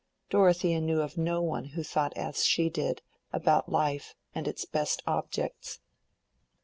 Dorothea knew of no one who thought as she did about life and its best objects.